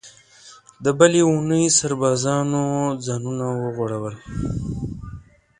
د بلې اوونۍ سربازانو ځانونه وغوړول.